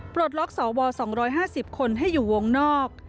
ปลดล็อกสว๒๕๐คนให้อยู่วงนอก